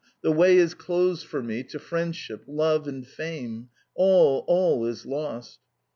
"The way is closed for me to friendship, love, and fame! All, all is lost!"